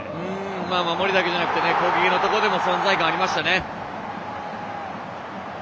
守りだけじゃなくて攻撃のところでも存在感がありましたね。